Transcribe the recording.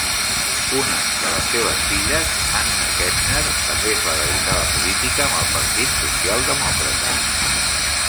Una de els seves filles, Anna Kettner, també es va dedicar a la política amb el partit socialdemòcrata.